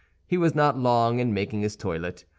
He was not long in making his toilet.